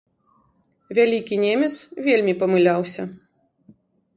Вялікі немец вельмі памыляўся.